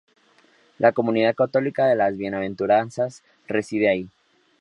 La Comunidad Católica de las Bienaventuranzas reside ahí.